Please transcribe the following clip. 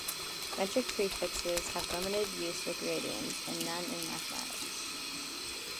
Metric prefixes have limited use with radians, and none in mathematics.